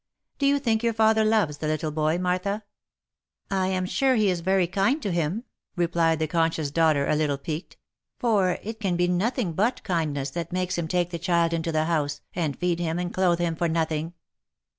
" Do you think your father loves the little boy, Martha?" " I am sure he is very kind to him," replied the conscious daughter a little piqued. " For it can be nothing but kindness that makes him take the child into the house, and feed him and clothe him for nothing."